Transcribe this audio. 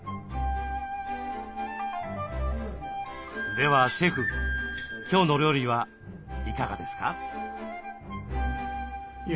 ではシェフ今日の料理はいかがですか？